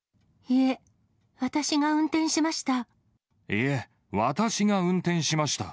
いえ、私が運転しました。